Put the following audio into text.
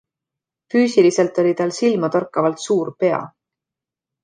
Füüsiliselt oli tal silmatorkavalt suur pea.